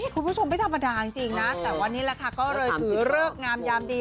คุณผู้ชมไม่ธรรมดาจริงนะแต่วันนี้แหละค่ะก็เลยถือเลิกงามยามดี